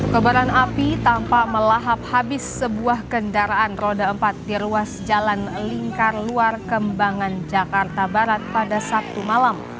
kebaran api tampak melahap habis sebuah kendaraan roda empat di ruas jalan lingkar luar kembangan jakarta barat pada sabtu malam